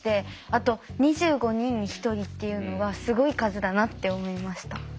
あと２５人に１人っていうのはすごい数だなって思いました。